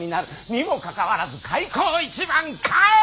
にもかかわらず開口一番帰れ！